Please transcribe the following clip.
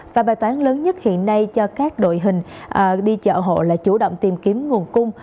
và bài toán lớn nhất hiện nay cho các đội hình đi chợ hộ là chủ động tìm kiếm nguồn cung